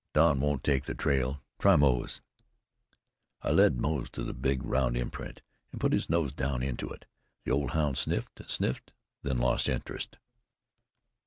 Don won't take the trail. Try Moze." I led Moze to the big, round imprint, and put his nose down into it. The old hound sniffed and sniffed, then lost interest.